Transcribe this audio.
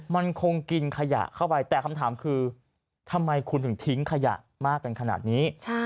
มันคงกินขยะเข้าไปแต่คำถามคือทำไมคุณถึงทิ้งขยะมากกันขนาดนี้